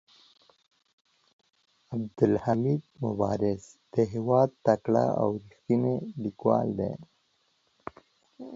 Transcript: عبدالحمید مبارز د هيواد تکړه او ريښتيني ليکوال دي.